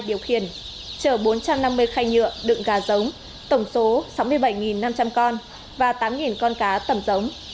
điều khiển chở bốn trăm năm mươi khay nhựa đựng gà giống tổng số sáu mươi bảy năm trăm linh con và tám con cá tầm giống